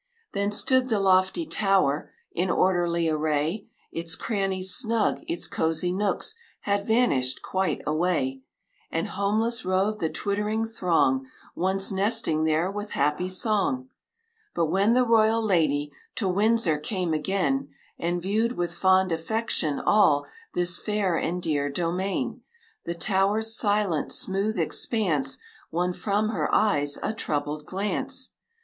Then stood the lofty tower In orderly array; Its crannies snug, its cosey nooks, Had vanished quite away; And homeless roved the twittering throng Once nesting there with happy song. But when the royal lady To Windsor came again, And viewed with fond affection all This fair and dear domain, The tower's silent, smooth expanse Won from her eyes a troubled glance.